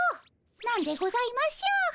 何でございましょう？